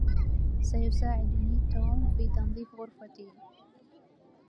سيساعدني توم في تنظيف غرفتي